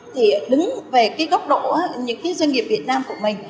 thì đứng về cái góc độ những cái doanh nghiệp việt nam của mình